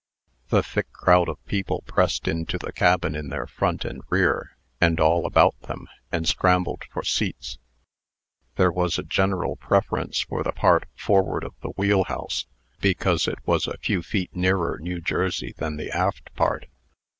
The thick crowd of people pressed into the cabin in their front and rear, and all about them, and scrambled for seats. There was a general preference for the part forward of the wheelhouse, because it was a few feet nearer New Jersey than the aft part.